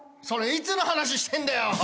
それいつの話してんだよ。